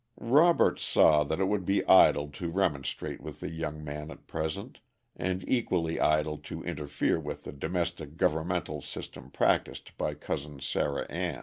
Robert saw that it would be idle to remonstrate with the young man at present, and equally idle to interfere with the domestic governmental system practiced by Cousin Sarah Ann.